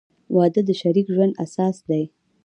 • واده د شریک ژوند اساس دی.